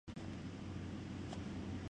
La película fue rodada en Alicante y Madrid.